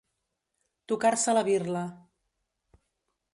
Tocar-se la birla.